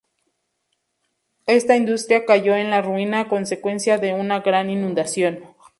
Esta industria cayó en la ruina a consecuencia de una gran inundación.